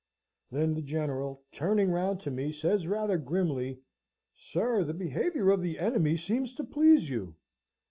Then the General, turning round to me, says, rather grimly, "Sir, the behaviour of the enemy seems to please you!"